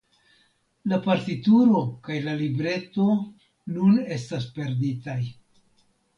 La partituro kaj la libreto nun estas perditaj.